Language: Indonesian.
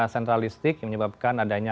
sentralistik yang menyebabkan adanya